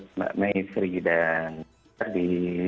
selamat pagi mbak ferdi